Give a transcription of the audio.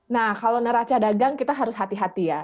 nah kalau neraca dagang kita harus hati hati ya